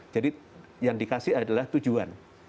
jadi yang dikasih adalah tujuan